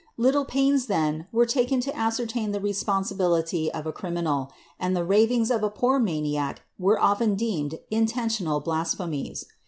Little pains, then, were taken to ascertain the responsibility of a criminal ; and tlie ravings of a poor maniac were often deemed intentional blasphemies.